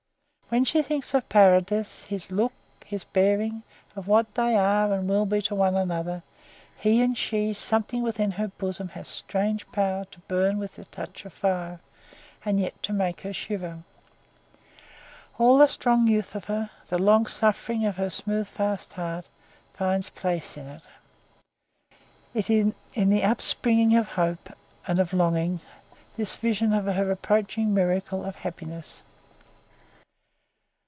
When she thinks of Paradis, his look, his bearing, of what they are and will be to one another, he and she, something within her bosom has strange power to burn with the touch of fire, and yet to make her shiver. All the strong youth of her, the long suffering of her sooth fast heart find place in it; in the upspringing of hope and of longing, this vision of her approaching miracle of happiness.